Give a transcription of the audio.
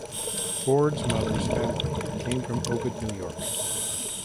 Ford's mother's family came from Ovid, New York.